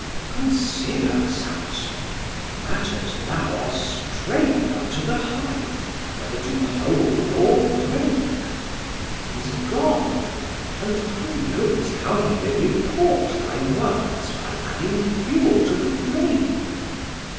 Chor: Consider, Samson; matters now are strain'd Up to the highth, whether to bold or break; He's gone, and who knows how he may report 1350 Thy words by adding fuel to the flame?